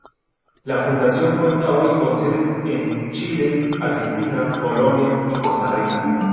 La Fundación cuenta hoy con sedes en Chile, Argentina, Colombia y Costa Rica.